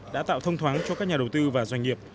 đã tạo thông thoáng cho các nhà đầu tư và doanh nghiệp